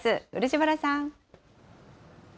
漆原さん。